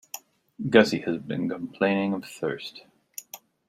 Gussie had been complaining of thirst.